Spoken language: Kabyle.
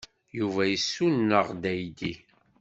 Yuba yessuneɣ-d aydi.